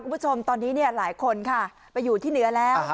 คุณผู้ชมตอนนี้หลายคนค่ะไปอยู่ที่เหนือแล้ว